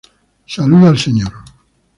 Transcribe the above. Saluda al Sr.